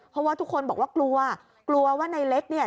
เพราะว่าทุกคนบอกว่ากลัวกลัวว่าในเล็กเนี่ย